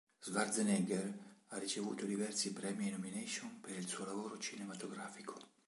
Schwarzenegger ha ricevuto diversi premi e nomination per il suo lavoro cinematografico.